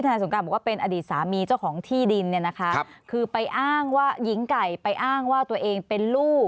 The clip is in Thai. สงการบอกว่าเป็นอดีตสามีเจ้าของที่ดินเนี่ยนะคะคือไปอ้างว่าหญิงไก่ไปอ้างว่าตัวเองเป็นลูก